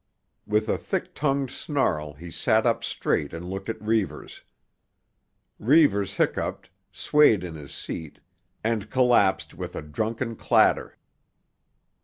With a thick tongued snarl he sat up straight and looked at Reivers. Reivers hiccoughed, swayed in his seat, and collapsed with a drunken clatter.